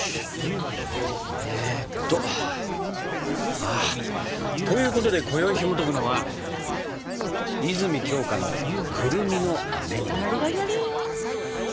えっと。ということでこよいひもとくのは「泉鏡花のくるみのあめ煮」。